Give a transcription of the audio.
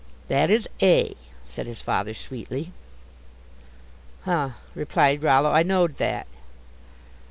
"That is A," said his father, sweetly. "Huh," replied Rollo, "I knowed that."